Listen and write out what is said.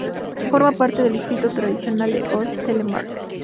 Forma parte del distrito tradicional de Øst-Telemark.